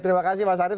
terima kasih mas arief